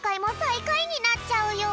いかいになっちゃうよ。